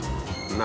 何？